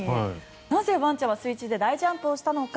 なぜ、ワンちゃんは水中で大ジャンプをしたのか。